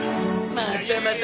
またまた。